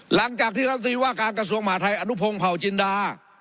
หลังจากที่รัฐมนตรีว่าการกระทรวงมหาดไทยอานุพงธผ่าวจินดา